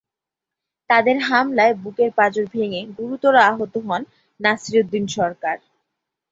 তাদের হামলায় বুকের পাঁজর ভেঙে গুরুতর আহত হন নাসির উদ্দিন সরকার।